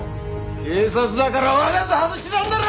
警察だからわざと外してたんだろ！